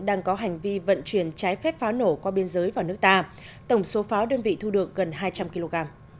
đang có hành vi vận chuyển trái phép pháo nổ qua biên giới vào nước ta tổng số pháo đơn vị thu được gần hai trăm linh kg